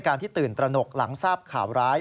ที่ตื่นตระหนกหลังทราบข่าวร้าย